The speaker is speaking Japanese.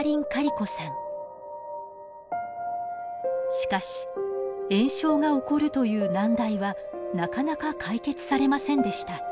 しかし炎症が起こるという難題はなかなか解決されませんでした。